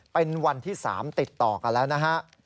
เป็นวันที่๓ติดต่อกันแล้วนะฮะ